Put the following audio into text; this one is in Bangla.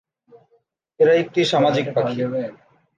এরা একটি সামাজিক পাখি।